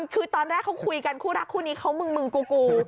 คือตอนแรกเขาคุยกันคู่รักคู่นี้เขามึงมึงกู